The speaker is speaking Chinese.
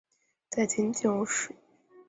在今建瓯市。